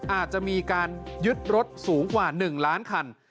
อาจจะมีการยึดรถสูงกว่า๑ล้านคัน